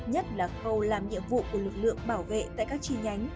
nhất là khâu làm nhiệm vụ của lực lượng bảo vệ tại các chi nhánh